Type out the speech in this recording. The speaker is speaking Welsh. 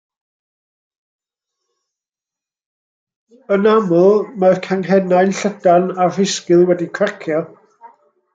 Yn aml, mae'r canghennau'n llydan a'r rhisgl wedi cracio.